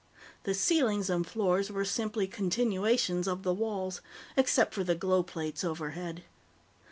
The ceilings and floors were simply continuations of the walls, except for the glow plates overhead.